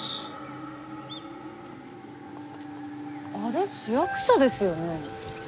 あれ市役所ですよね？